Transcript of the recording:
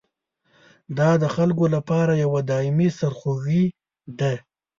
دا د خلکو لپاره یوه دایمي سرخوږي ده.